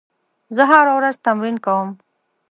زه هره ورځ تمرین کوم.